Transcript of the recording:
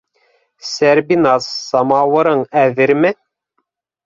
Сәрбиназ, самауырың әҙерме?